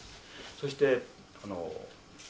そしてあの。